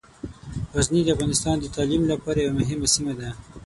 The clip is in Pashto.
غزني د افغانستان د تعلیم لپاره یوه مهمه سیمه ده.